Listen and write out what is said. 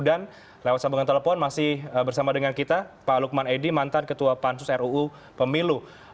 dan lewat sambungan telepon masih bersama dengan kita pak lukman edy mantan ketua pansus ruu pemilu